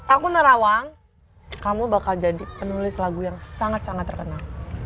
aku nerawang kamu bakal jadi penulis lagu yang sangat sangat terkenal